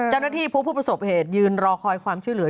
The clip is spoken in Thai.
เจ้าหน้าที่ผู้ประสบเหตุยืนรอคอยความช่วยเหลือ